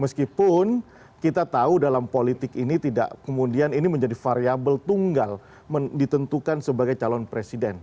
meskipun kita tahu dalam politik ini tidak kemudian ini menjadi variable tunggal ditentukan sebagai calon presiden